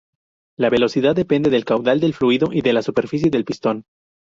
La velocidad depende del caudal de fluido y de la superficie del pistón.